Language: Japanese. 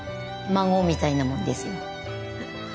孫みたいなもんですよ。